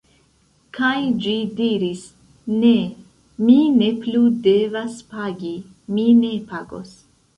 Kaj ĝi diris: ne, mi ne plu devas pagi, mi ne pagos.